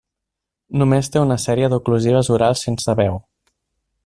Només té una sèrie d'oclusives orals sense veu.